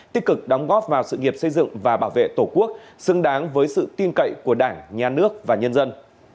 tích cực đóng góp vào sự nghiệp xây dựng và bảo vệ tổ quốc xứng đáng với sự tin cậy của đảng nhà nước và nhân dân